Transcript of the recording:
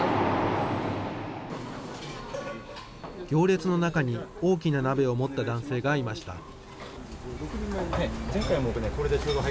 行列の中に、大きな鍋を持った男性がいました。